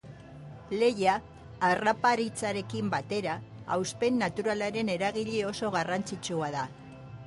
Lehia, harraparitzarekin batera, hautespen naturalaren eragile oso garrantzitsua da.